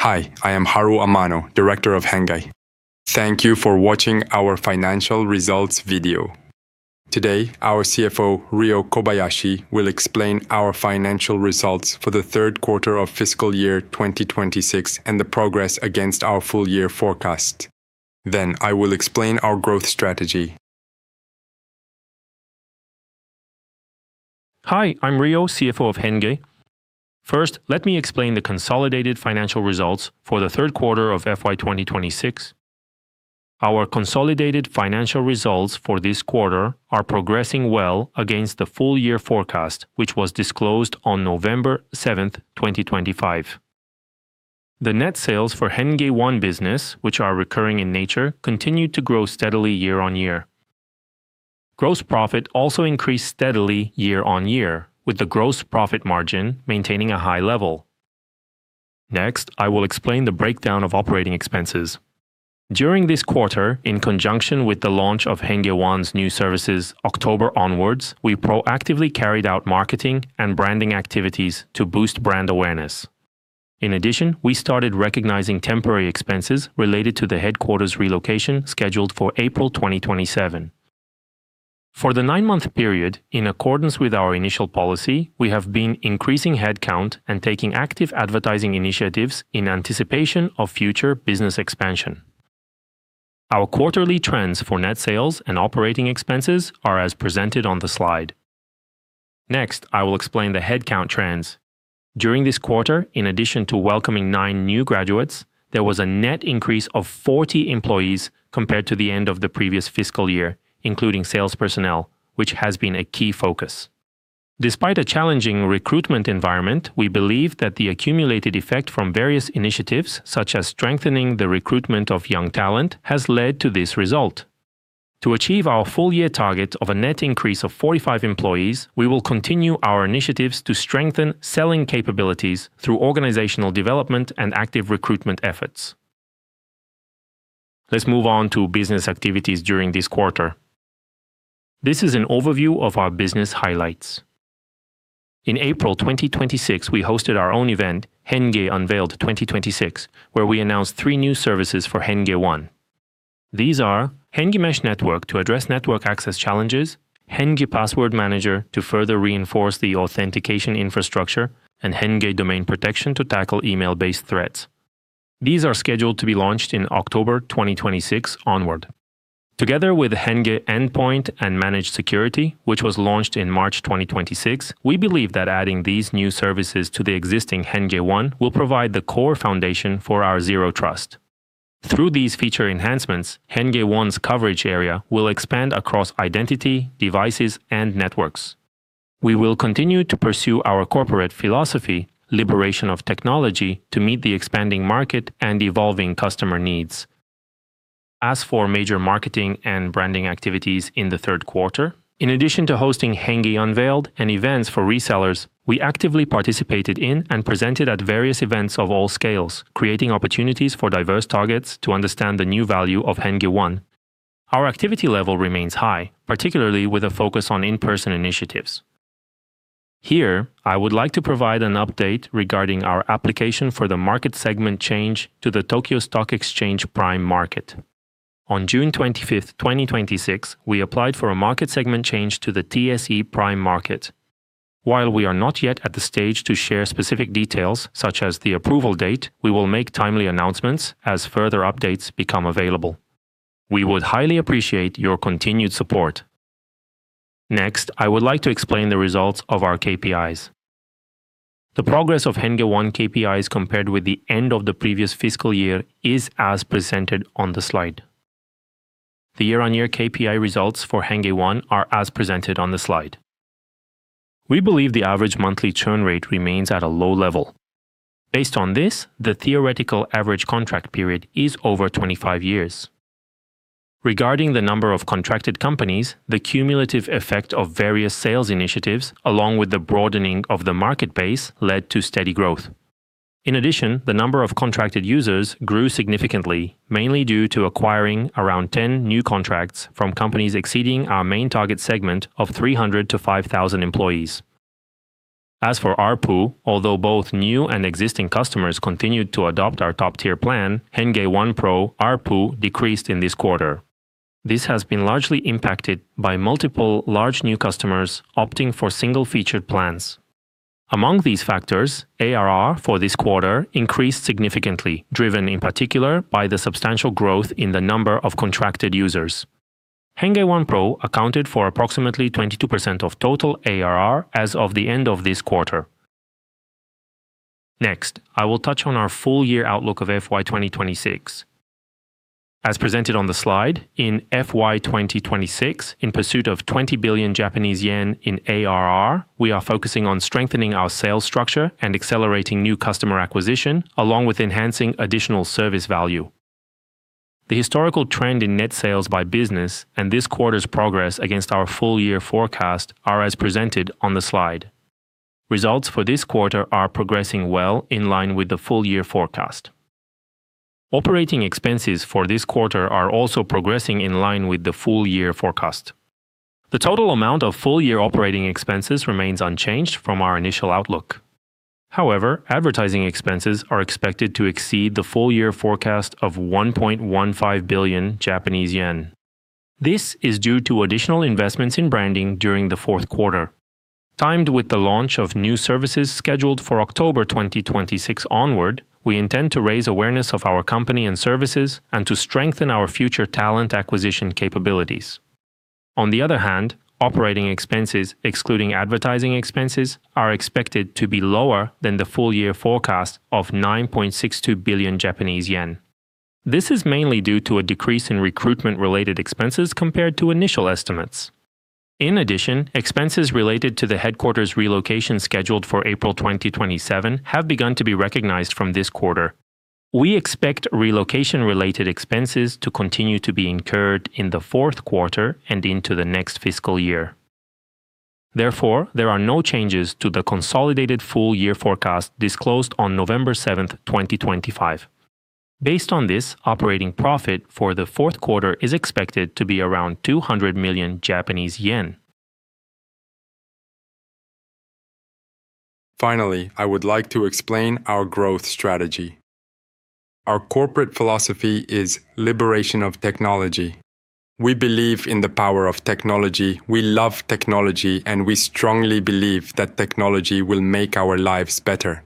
Hi, I am Haruo Amano, Director of HENNGE. Thank you for watching our financial results video. Today, our CFO, Ryo Kobayashi, will explain our financial results for the third quarter of fiscal year 2026 and the progress against our full year forecast. I will explain our growth strategy. Hi, I'm Ryo, CFO of HENNGE. First, let me explain the consolidated financial results for the third quarter of FY 2026. Our consolidated financial results for this quarter are progressing well against the full-year forecast, which was disclosed on November 7th, 2025. The net sales for HENNGE One business, which are recurring in nature, continued to grow steadily year-on-year. Gross profit also increased steadily year-on-year, with the gross profit margin maintaining a high level. Next, I will explain the breakdown of operating expenses. During this quarter, in conjunction with the launch of HENNGE One's new services October onwards, we proactively carried out marketing and branding activities to boost brand awareness. In addition, we started recognizing temporary expenses related to the headquarters relocation scheduled for April 2027. For the nine-month period, in accordance with our initial policy, we have been increasing headcount and taking active advertising initiatives in anticipation of future business expansion. Our quarterly trends for net sales and operating expenses are as presented on the slide. Next, I will explain the headcount trends. During this quarter, in addition to welcoming nine new graduates, there was a net increase of 40 employees compared to the end of the previous fiscal year, including sales personnel, which has been a key focus. Despite a challenging recruitment environment, we believe that the accumulated effect from various initiatives, such as strengthening the recruitment of young talent, has led to this result. To achieve our full-year target of a net increase of 45 employees, we will continue our initiatives to strengthen selling capabilities through organizational development and active recruitment efforts. Let's move on to business activities during this quarter. This is an overview of our business highlights. In April 2026, we hosted our own event, HENNGE Unveiled 2026, where we announced three new services for HENNGE One. These are HENNGE Mesh Network to address network access challenges, HENNGE Password Manager to further reinforce the authentication infrastructure, and HENNGE Domain Protection to tackle email-based threats. These are scheduled to be launched in October 2026 onward. Together with HENNGE Endpoint & Managed Security, which was launched in March 2026, we believe that adding these new services to the existing HENNGE One will provide the core foundation for our Zero Trust. Through these feature enhancements, HENNGE One's coverage area will expand across identity, devices, and networks. We will continue to pursue our corporate philosophy, liberation of technology, to meet the expanding market and evolving customer needs. As for major marketing and branding activities in the third quarter, in addition to hosting HENNGE Unveiled and events for resellers, we actively participated in and presented at various events of all scales, creating opportunities for diverse targets to understand the new value of HENNGE One. Our activity level remains high, particularly with a focus on in-person initiatives. Here, I would like to provide an update regarding our application for the market segment change to the Tokyo Stock Exchange Prime Market. On June 25th, 2026, we applied for a market segment change to the TSE Prime Market. While we are not yet at the stage to share specific details, such as the approval date, we will make timely announcements as further updates become available. We would highly appreciate your continued support. Next, I would like to explain the results of our KPIs. The progress of HENNGE One KPIs compared with the end of the previous fiscal year is as presented on the slide. The year-on-year KPI results for HENNGE One are as presented on the slide. We believe the average monthly churn rate remains at a low level. Based on this, the theoretical average contract period is over 25 years. Regarding the number of contracted companies, the cumulative effect of various sales initiatives, along with the broadening of the market base, led to steady growth. In addition, the number of contracted users grew significantly, mainly due to acquiring around 10 new contracts from companies exceeding our main target segment of 300-5,000 employees. As for ARPU, although both new and existing customers continued to adopt our top-tier plan, HENNGE One Pro ARPU decreased in this quarter. This has been largely impacted by multiple large new customers opting for single-featured plans. Among these factors, ARR for this quarter increased significantly, driven in particular by the substantial growth in the number of contracted users. HENNGE One Pro accounted for approximately 22% of total ARR as of the end of this quarter. Next, I will touch on our full-year outlook of FY 2026. As presented on the slide, in FY 2026, in pursuit of 20 billion Japanese yen in ARR, we are focusing on strengthening our sales structure and accelerating new customer acquisition, along with enhancing additional service value. The historical trend in net sales by business and this quarter's progress against our full-year forecast are as presented on the slide. Results for this quarter are progressing well in line with the full-year forecast. Operating expenses for this quarter are also progressing in line with the full-year forecast. The total amount of full-year operating expenses remains unchanged from our initial outlook. Advertising expenses are expected to exceed the full-year forecast of 1.15 billion Japanese yen. This is due to additional investments in branding during the fourth quarter. Timed with the launch of new services scheduled for October 2026 onward, we intend to raise awareness of our company and services and to strengthen our future talent acquisition capabilities. Operating expenses, excluding advertising expenses, are expected to be lower than the full-year forecast of 9.62 billion Japanese yen. This is mainly due to a decrease in recruitment-related expenses compared to initial estimates. In addition, expenses related to the headquarters relocation scheduled for April 2027 have begun to be recognized from this quarter. We expect relocation-related expenses to continue to be incurred in the fourth quarter and into the next fiscal year. There are no changes to the consolidated full-year forecast disclosed on November 7th, 2025. Based on this, operating profit for the fourth quarter is expected to be around 200 million Japanese yen. Finally, I would like to explain our growth strategy. Our corporate philosophy is liberation of technology. We believe in the power of technology, we love technology, and we strongly believe that technology will make our lives better.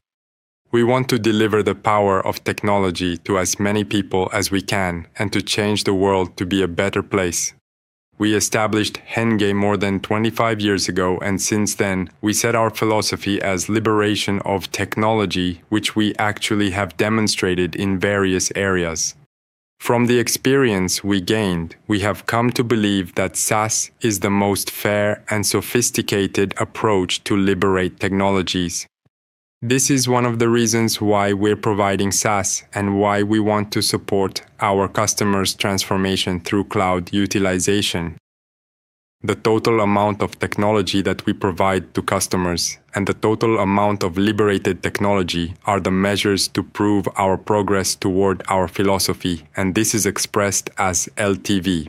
We want to deliver the power of technology to as many people as we can and to change the world to be a better place. We established HENNGE more than 25 years ago, and since then, we set our philosophy as liberation of technology, which we actually have demonstrated in various areas. From the experience we gained, we have come to believe that SaaS is the most fair and sophisticated approach to liberate technologies. This is one of the reasons why we're providing SaaS and why we want to support our customers' transformation through cloud utilization. The total amount of technology that we provide to customers and the total amount of liberated technology are the measures to prove our progress toward our philosophy, and this is expressed as LTV.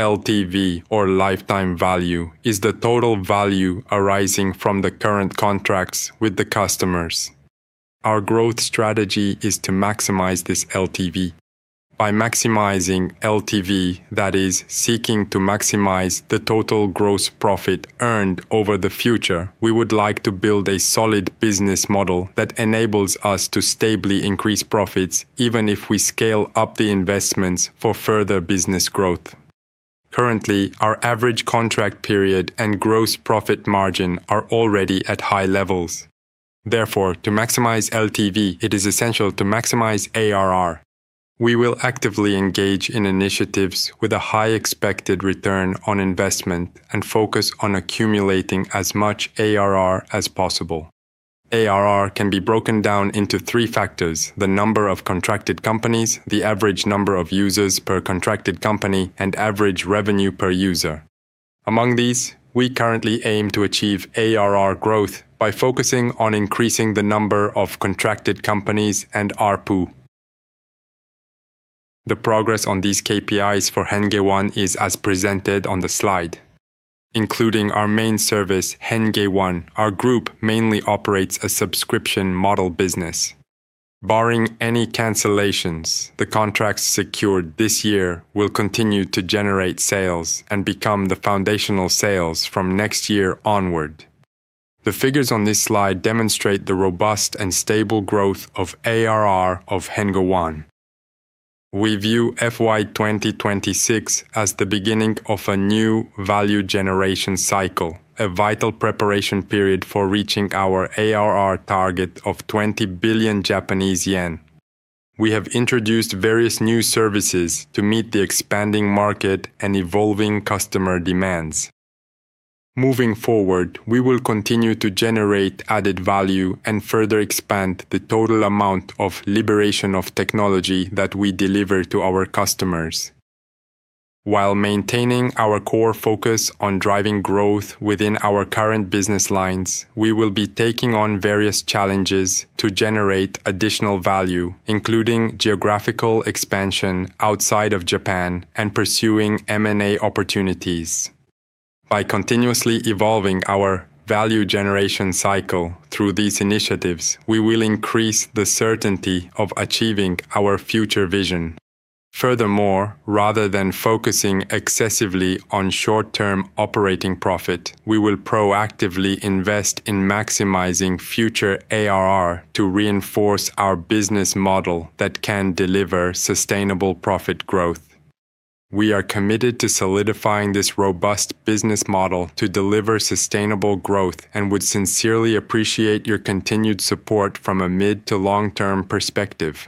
LTV, or lifetime value, is the total value arising from the current contracts with the customers. Our growth strategy is to maximize this LTV. By maximizing LTV, that is, seeking to maximize the total gross profit earned over the future, we would like to build a solid business model that enables us to stably increase profits, even if we scale up the investments for further business growth. Currently, our average contract period and gross profit margin are already at high levels. Therefore, to maximize LTV, it is essential to maximize ARR. We will actively engage in initiatives with a high expected return on investment and focus on accumulating as much ARR as possible. ARR can be broken down into three factors: the number of contracted companies, the average number of users per contracted company, and average revenue per user. Among these, we currently aim to achieve ARR growth by focusing on increasing the number of contracted companies and ARPU. The progress on these KPIs for HENNGE One is as presented on the slide. Including our main service, HENNGE One, our group mainly operates a subscription model business. Barring any cancellations, the contracts secured this year will continue to generate sales and become the foundational sales from next year onward. The figures on this slide demonstrate the robust and stable growth of ARR of HENNGE One. We view FY 2026 as the beginning of a new value generation cycle, a vital preparation period for reaching our ARR target of 20 billion Japanese yen. We have introduced various new services to meet the expanding market and evolving customer demands. Moving forward, we will continue to generate added value and further expand the total amount of liberation of technology that we deliver to our customers. While maintaining our core focus on driving growth within our current business lines, we will be taking on various challenges to generate additional value, including geographical expansion outside of Japan and pursuing M&A opportunities. By continuously evolving our value generation cycle through these initiatives, we will increase the certainty of achieving our future vision. Furthermore, rather than focusing excessively on short-term operating profit, we will proactively invest in maximizing future ARR to reinforce our business model that can deliver sustainable profit growth. We are committed to solidifying this robust business model to deliver sustainable growth and would sincerely appreciate your continued support from a mid to long-term perspective.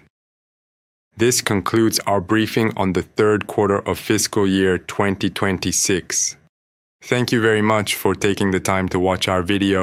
This concludes our briefing on the third quarter of fiscal year 2026. Thank you very much for taking the time to watch our video.